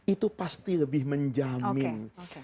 itu pasti lebih menjamin